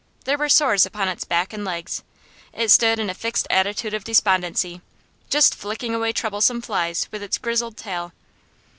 There were sores upon its back and legs; it stood in a fixed attitude of despondency, just flicking away troublesome flies with its grizzled tail.